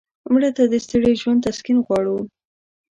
مړه ته د ستړي ژوند تسکین غواړو